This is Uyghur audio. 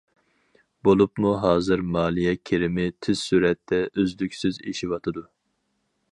بولۇپمۇ، ھازىر مالىيە كىرىمى تېز سۈرئەتتە ئۈزلۈكسىز ئېشىۋاتىدۇ.